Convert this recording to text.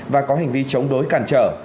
và có hành vi chống đối cản trở